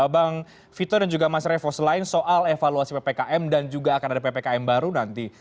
bang vito dan juga mas revo selain soal evaluasi ppkm dan juga akan ada ppkm baru nanti